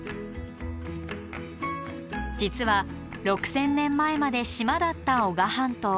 実は６，０００年前まで島だった男鹿半島。